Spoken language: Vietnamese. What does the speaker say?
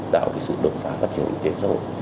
tạo cái sự độc giá gấp trường kinh tế rộng